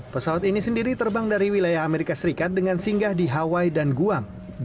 pesawat ini sendiri terbang dari wilayah amerika serikat dengan singgah di hawaii dan guang